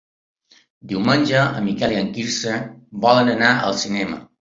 Diumenge en Miquel i en Quirze volen anar al cinema.